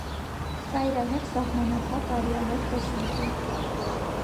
Ծայրահեղ սահմանափակ արեալով տեսակ է։